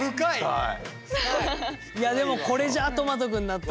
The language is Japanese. はい。